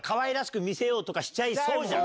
しちゃいそうじゃん？